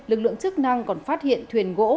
lực lượng chức năng còn phát hiện thuyền gỗ